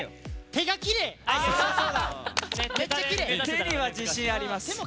手には自信あります。